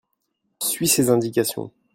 suis ses indications.